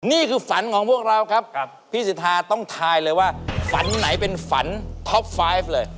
นี่คือฝันของพวกเราครับพี่สิทธาต้องทายเลยว่าฝันไหนเป็นฝันท็อปไฟฟ์เลย